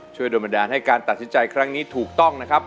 โดนบันดาลให้การตัดสินใจครั้งนี้ถูกต้องนะครับ